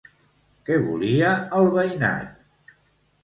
Què volia el veïnat?